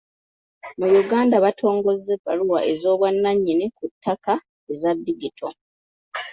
Mu Uganda batongozza ebbaluwa ez'obwannannyini ku ttaka eza digito.